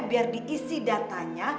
biar diisi datanya